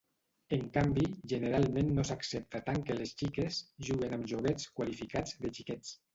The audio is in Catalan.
En canvi, generalment no s'accepta tant que les xiques juguen amb joguets qualificats 'de xiquets'.